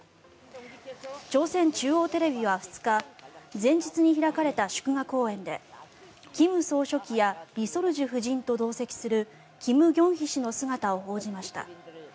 朝鮮中央テレビは２日前日に開かれた祝賀公演で金総書記や李雪主夫人と同席するキム・ギョンヒ氏の姿を報じました。